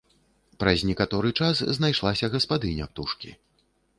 Праз некаторы час знайшлася гаспадыня птушкі.